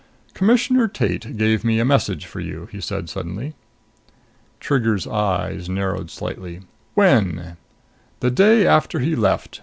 "Commissioner Tate gave me a message for you," he said suddenly. Trigger's eyes narrowed slightly. "When?" "The day after he left."